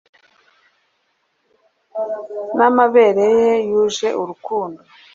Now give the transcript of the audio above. Namabere ye yuje urukundo